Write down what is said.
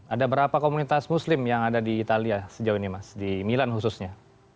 ada berapa komunitas muslim yang ada di italia sejauh ini mas di milan khususnya